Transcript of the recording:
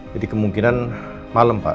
jadi kemungkinan malem pak